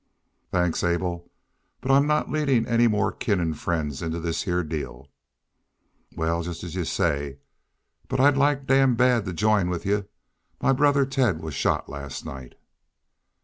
"Thanks, Abel, but I'm not leadin' any more kin an' friends into this heah deal." "Wal, jest as y'u say. But I'd like damn bad to jine with y'u.... My brother Ted was shot last night."